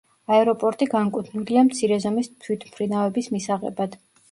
აეროპორტი განკუთვნილია მცირე ზომის თვითმფრინავების მისაღებად.